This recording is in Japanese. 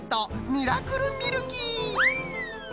ミラクル・ミルキー！